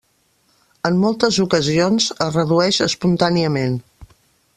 En moltes ocasions es redueix espontàniament.